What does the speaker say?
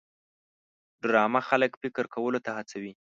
ډرامه خلک فکر کولو ته هڅوي